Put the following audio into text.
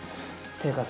っていうか